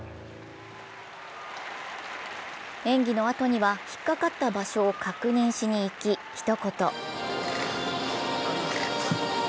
演技のあとには引っかかった場所を確認しに行き、ひと言。